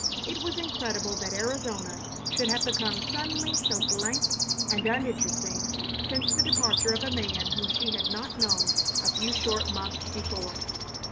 It was incredible that Arizona should have become suddenly so blank and uninteresting since the departure of a man whom she had not known a few short months before.